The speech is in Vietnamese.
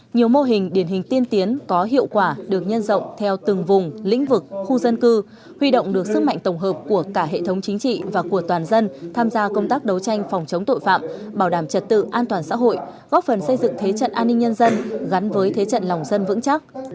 nhiều mô hình điển hình tiên tiến có hiệu quả được nhân rộng theo từng vùng lĩnh vực khu dân cư huy động được sức mạnh tổng hợp của cả hệ thống chính trị và của toàn dân tham gia công tác đấu tranh phòng chống tội phạm bảo đảm trật tự an toàn xã hội góp phần xây dựng thế trận an ninh nhân dân gắn với thế trận lòng dân vững chắc